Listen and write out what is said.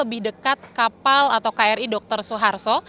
lebih dekat kapal atau kri dr suharto